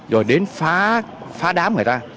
rồi đến phá đám người ta